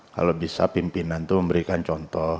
kalau bisa pimpinan itu memberikan contoh